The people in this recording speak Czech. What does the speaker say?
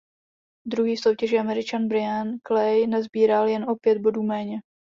Druhý v soutěži Američan Bryan Clay nasbíral jen o pět bodů méně.